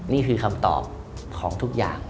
นี่คือคำตอบของทุกอย่าง